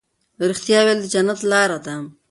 رښتیا ویل د جنت لار ده.